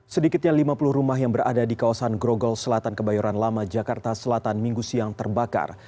sedikitnya lima puluh rumah yang berada di kawasan grogol selatan kebayoran lama jakarta selatan minggu siang terbakar